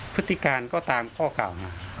พฤติการก็ตามข้อเก่า